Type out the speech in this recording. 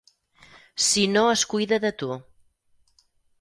Si no es cuida de tu.